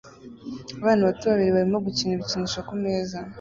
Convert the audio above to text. Abana bato babiri barimo gukina ibikinisho kumeza